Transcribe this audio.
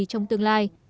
trong tương lai